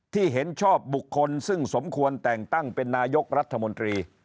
เห็นชอบบุคคลซึ่งสมควรแต่งตั้งเป็นนายกรัฐมนตรี